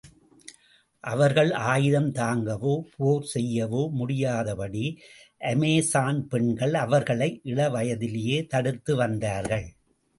அவர்கள் ஆயுதம் தாங்கவோ, போர் செய்யவோ முடியாதபடி, அமெசான் பெண்கள் அவர்களை இளவயதிலேயே தடுத்து வந்தார்கள்.